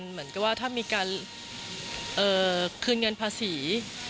เหมือนกับว่าถ้ามีการคืนเงินภาษี